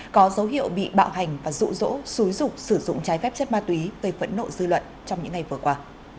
có dấu hiệu bị bạo hành và rụ rỗ xúi dụng sử dụng trái phép chất ma túy gây phẫn nộ dư luận trong những ngày vừa qua